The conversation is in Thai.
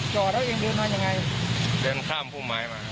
เดินข้ามภูมิไม้มา